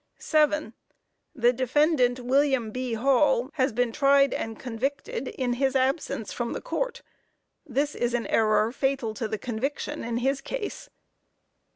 7. The defendant, William B. Hall, has been tried and convicted in his absence from the Court. This is an error fatal to the conviction in his case.